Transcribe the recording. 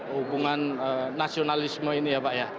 hubungan nasionalisme ini ya pak ya